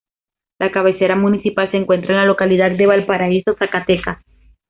La cabecera municipal se encuentra en la localidad de Valparaíso, Zacatecas.